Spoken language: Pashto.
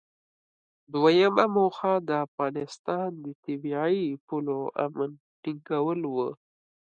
دویمه موخه د افغانستان د طبیعي پولو امن ټینګول و.